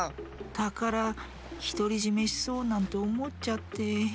たからひとりじめしそうなんておもっちゃって。